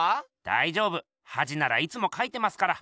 だいじょうぶはじならいつもかいてますから。